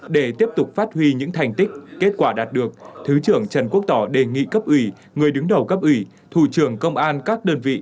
để tiếp tục phát huy những thành tích kết quả đạt được thứ trưởng trần quốc tỏ đề nghị cấp ủy người đứng đầu cấp ủy thủ trưởng công an các đơn vị